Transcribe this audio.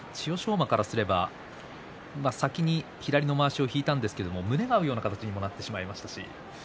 馬からすると先に左のまわしを引いたんですけど胸が合うような形になってしまいました。